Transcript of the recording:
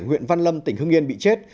nguyện văn lâm tỉnh hưng yên bị chết